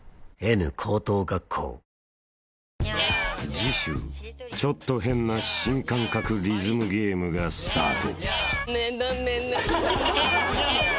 ［次週ちょっと変な新感覚リズムゲームがスタート］